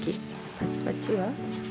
パチパチは？